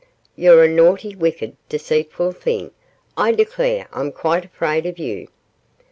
You're a naughty, wicked, deceitful thing. I declare I'm quite afraid of you.